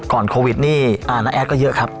ก่อนโควิดนี่นะแอดก็เยอะครับ